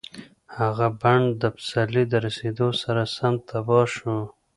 هغه بڼ د پسرلي د رسېدو سره سم تباه شو.